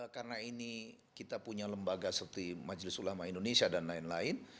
karena ini kita punya lembaga seperti majelis ulama indonesia dan lain lain